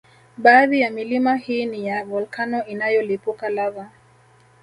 Baadhi ya milima hii ni ya volkano inayolipuka lava